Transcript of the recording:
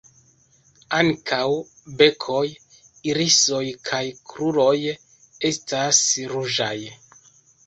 Ankaŭ bekoj, irisoj kaj kruroj estas ruĝaj.